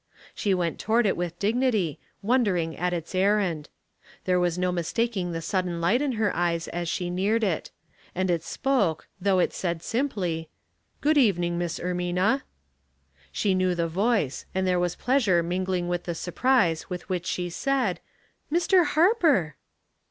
She went toward it with dignity, wondering at its errand. There was no mistaking^ the sudden liojht in her eves as she neared it; and it spoke, though it said simply, " Grood evening. Miss Ermina." She knew the voice, and there was pleasure mingling with the surprise with which she said, " Mr. Harper